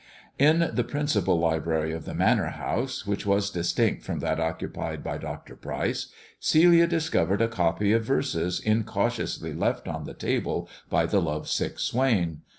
In the principal library of the Manor House, which was distinct from that occupied by Dr. Pryce, Celia discovered * copy of verses incautiously left on the table by the love ^^ck swain.